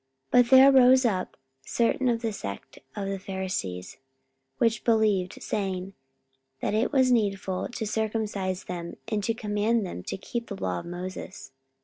44:015:005 But there rose up certain of the sect of the Pharisees which believed, saying, That it was needful to circumcise them, and to command them to keep the law of Moses.